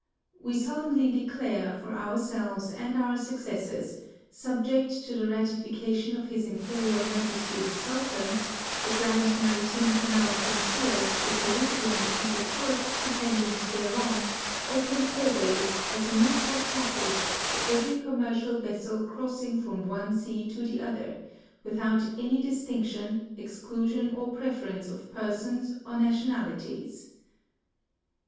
We solemnly declare, for our selves and our successors, subject to the rati fication of his Imperial Majesty the Sultan, the Grand Maritime Canal from Suez to Pelusium and the ports dependent thereon open always, as a neutral passage, to every commercial vessel crossing from one sea to the other, without any distinction, exclu sion, or preference of persons or national! vies.